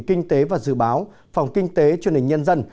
kinh tế và dự báo phòng kinh tế truyền hình nhân dân